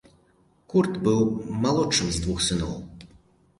Курт быў малодшым з двух сыноў.